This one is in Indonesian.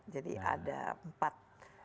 jadi ada empat